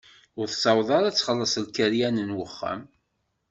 Ur tessaweḍ ara ad txelleṣ lkaryan n uxxam.